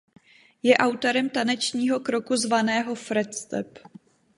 Je autorem tanečního kroku zvaného „Fred step“.